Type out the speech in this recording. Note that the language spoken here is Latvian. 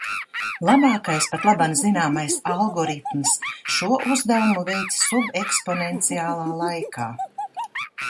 Labākais patlaban zināmais algoritms šo uzdevumu veic subeksponenciālā laikā.